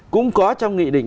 cũng có trong nghị định